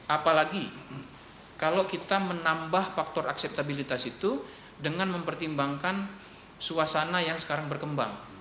apalagi kalau kita menambah faktor akseptabilitas itu dengan mempertimbangkan suasana yang sekarang berkembang